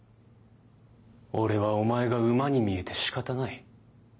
俺はお前が馬に見えて仕方ない。